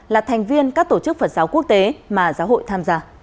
là thành viên các tổ chức phật giáo quốc tế mà giáo hội tham gia